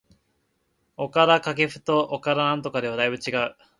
岡田紗佳と岡田彰布ではだいぶ違う